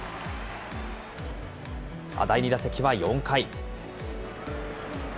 第２打席は４回。